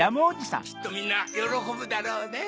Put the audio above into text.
きっとみんなよろこぶだろうねぇ。